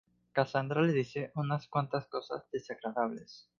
Cassandra le dice unas cuantas cosa desagradables.